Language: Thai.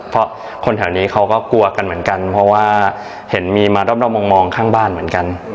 เพราะคนแถวนี้เขาก็กลัวกันเหมือนกันเพราะว่าเห็นมีมารอบมองข้างบ้านเหมือนกัน